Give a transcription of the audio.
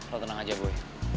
lo tenang aja boy